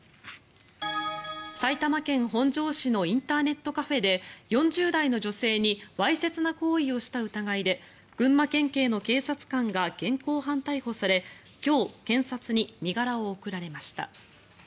埼玉県本庄市のインターネットカフェで４０代の女性にわいせつな行為をした疑いで群馬県警の警察官が現行犯逮捕され今日、検察に身柄を送られました。